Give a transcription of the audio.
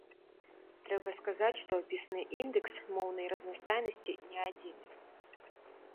Трэба сказаць, што апісаны індэкс моўнай разнастайнасці не адзіны.